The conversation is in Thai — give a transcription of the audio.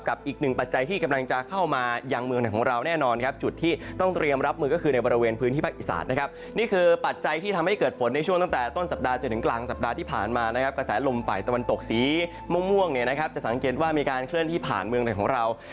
กระแสลมไฟตะวันตกสีม่วงจะสังเกตว่ามีการเคลื่อนที่ผ่านเมืองไทยของเรา